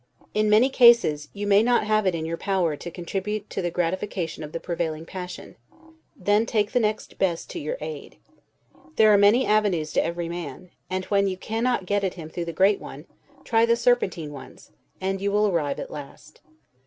In many cases, you may not have it in your power to contribute to the gratification of the prevailing passion; then take the next best to your aid. There are many avenues to every man; and when you cannot get at him through the great one, try the serpentine ones, and you will arrive at last.